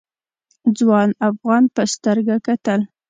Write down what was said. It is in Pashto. ځوان افغان په سترګه کتل.